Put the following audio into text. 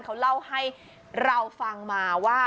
เขาเล่าให้เราฟังมาว่า